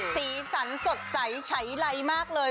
สีสันสดใสใช้ไรมักเลย